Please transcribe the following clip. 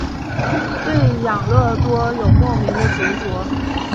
对养乐多有莫名的执着。